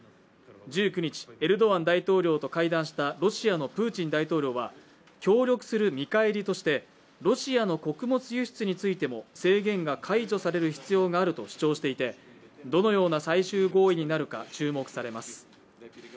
１９日、エルドアン大統領と会談したロシアのプーチン大統領は協力する見返りとしてロシアの穀物輸出についても制限が解除される必要あると主張していてどのような最終合意になるか注目されます。